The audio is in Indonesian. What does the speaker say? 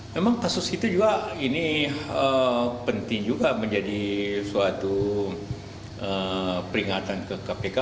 memang kasus itu juga ini penting juga menjadi suatu peringatan ke kpk